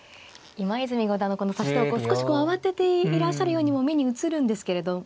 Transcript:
今泉五段の指し手は少しこう慌てていらっしゃるようにも目に映るんですけれども